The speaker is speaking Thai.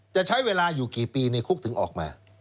จะใช้เวลาอยู่กี่ปีในคุกถึงออกมา